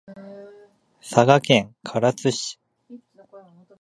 佐賀県唐津市